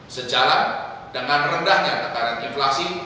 sejalan dengan rendahnya tekanan inflasi